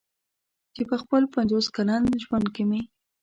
چې په خپل پنځوس کلن ژوند کې مې.